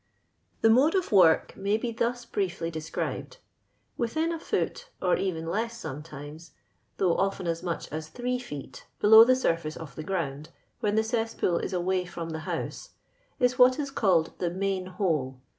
The mode of work may be thus briefly de scribed:— Within a foot, orcvenless sometimes, though often as much as three feet, below the surface of the ground (when tlie cesspool is away from the house) is what is called the main hole.